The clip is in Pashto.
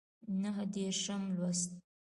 نهه دیرشم لوست